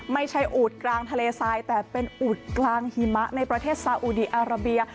ไม่ใช่อูดกลางทะเลทรายแต่เป็นอูดกลางหิมะในประเทศซาอุดีอาราเบีย